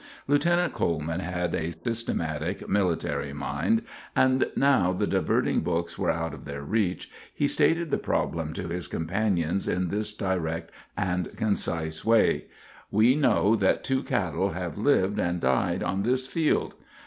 Lieutenant Coleman had a systematic, military mind, and, now the diverting books were out of their reach, he stated the problem to his companions in this direct and concise way: "We know that two cattle have lived and died on this field."